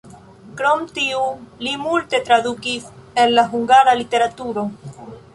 Krom tiu li multe tradukis el la hungara literaturo.